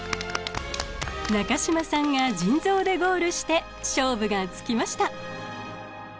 中島さんが「腎臓」でゴールして勝負がつきました。